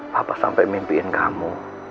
papa sampai mimpiin kamu